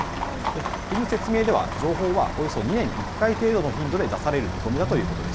国の説明では情報はおよそ２年に１回程度の頻度で出される見込みだということです。